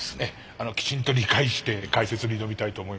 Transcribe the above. きちんと理解して解説に挑みたいと思います。